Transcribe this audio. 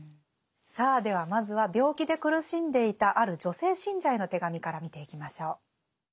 さあではまずは病気で苦しんでいたある女性信者への手紙から見ていきましょう。